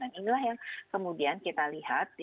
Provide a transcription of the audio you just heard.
dan inilah yang kemudian kita lihat